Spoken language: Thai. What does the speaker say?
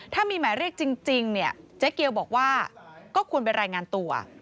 ถ้ามีหมายเรียกจริงเนี่ยเจ๊เกียวบอกว่าก็ควรไปรายงานตัว